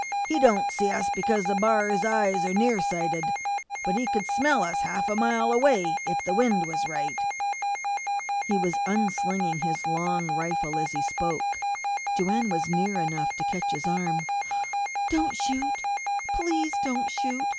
He don't see us because a b'ar's eyes are near sighted, but he could smell us half a mile away if the wind was right." He was unslinging his long rifle as he spoke. Joanne was near enough to catch his arm. "Don't shoot please don't shoot!"